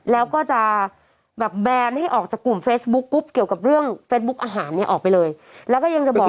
แล้วก็จะแบบแบนให้ออกจากกลุ่มเฟซบุ๊กกรุ๊ปเกี่ยวกับเรื่องเฟสบุ๊คอาหารเนี่ยออกไปเลยแล้วก็ยังจะบอก